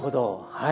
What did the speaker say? はい。